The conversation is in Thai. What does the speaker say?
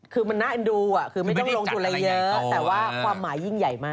คือมันน่าเอ็นดูคือไม่ต้องลงทุนอะไรเยอะแต่ว่าความหมายยิ่งใหญ่มาก